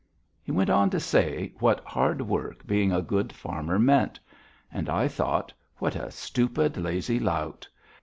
He went on to say what hard work being a good farmer meant. And I thought: What a stupid, lazy lout!